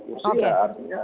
eeem kursi artinya